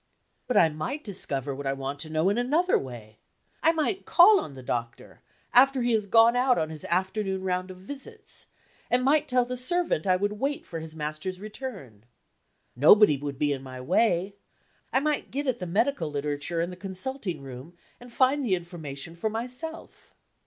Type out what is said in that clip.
But I might discover what I want to know in another way. I might call on the doctor, after he has gone out on his afternoon round of visits, and might tell the servant I would wait for his master's return. Nobody would be in my way; I might get at the medical literature in the consulting room, and find the information for myself.